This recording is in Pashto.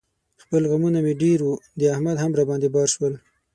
خپل غمونه مې ډېر و، د احمد هم را باندې بار شول.